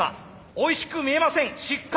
おいしく見えません失格！